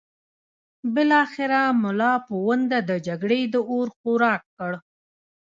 بالاخره ملا پوونده د جګړې د اور خوراک کړ.